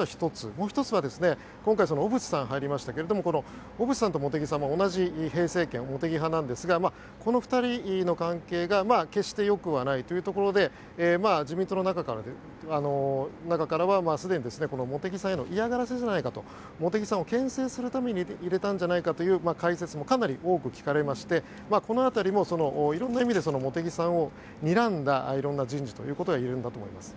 もう１つは今回、小渕さんが入りましたがこの小渕さんと茂木さんは同じ平成研茂木派なんですがこの２人の関係が決してよくはないということで自民党の中からは、すでに茂木さんへの嫌がらせじゃないかと茂木さんをけん制するために入れたんじゃないかという解説もかなり多く聞かれましてこの辺りも色んな意味で茂木さんをにらんだ色んな人事ということが言えるんだと思います。